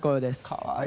かわいい。